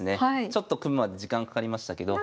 ちょっと組むまで時間かかりましたけど。